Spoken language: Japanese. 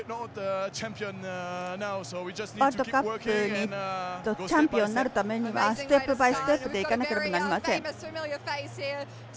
ワールドカップのチャンピオンになるためにはステップバイステップで行かなければいけません。